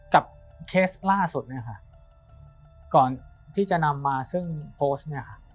เคสล่าสุดเนี่ยค่ะก่อนที่จะนำมาซึ่งโพสต์เนี่ยค่ะ